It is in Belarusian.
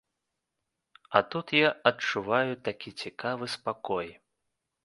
А тут я адчуваю такі цікавы спакой.